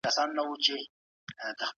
ایا افغان سوداګر وچه میوه اخلي؟